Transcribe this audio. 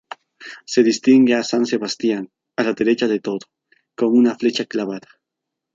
Se distingue a san Sebastián, a la derecha de todo, con una flecha clavada.